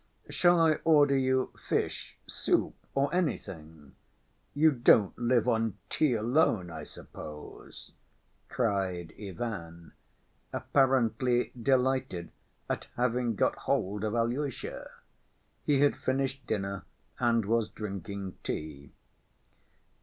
"Shall I order you fish, soup or anything. You don't live on tea alone, I suppose," cried Ivan, apparently delighted at having got hold of Alyosha. He had finished dinner and was drinking tea.